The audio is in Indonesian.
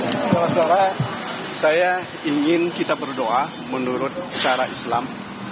saudara saudara saya ingin kita berdoa menurut cara islam